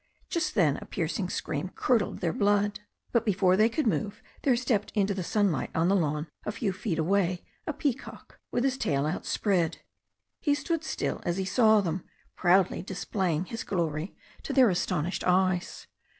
Just then a piercing scream curdled their blood. But be fore they could move there stepped into the sunlight on the lawn a few feet away a peacock, with his tail outspread. He stood still as he saw them, proudly displaying his glory to their astonished eyes.